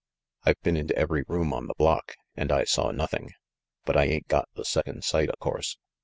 "I've been into every room on the block, and I saw nothing. But I ain't got the second sight, o' course.